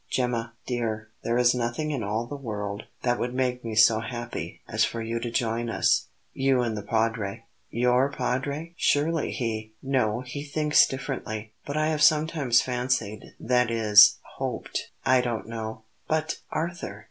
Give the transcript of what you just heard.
Gemma, dear, there is nothing in all the world that would make me so happy as for you to join us you and the Padre." "Your Padre! Surely he " "No; he thinks differently. But I have sometimes fancied that is hoped I don't know " "But, Arthur!